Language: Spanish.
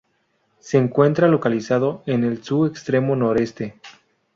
Se encuentra localizado en el su extremo noroeste.